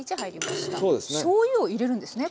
しょうゆを入れるんですね